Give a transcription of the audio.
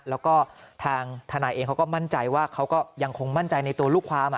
แล้วก็ทางทนายเองเขาก็มั่นใจว่าเขาก็ยังคงมั่นใจในตัวลูกความ